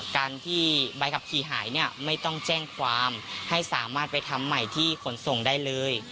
การที่ใบขับขี่หายเนี่ยไม่ต้องแจ้งความให้สามารถไปทำใหม่ที่ขนส่งได้เลย